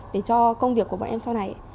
để cho công việc của bọn em sau này